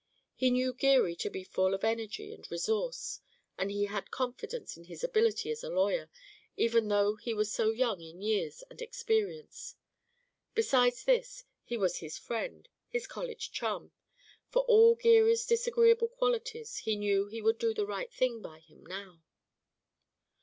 He knew Geary to be full of energy and resource, and he had confidence in his ability as a lawyer, even though he was so young in years and experience. Besides this, he was his friend, his college chum; for all Geary's disagreeable qualities he knew he would do the right thing by him now.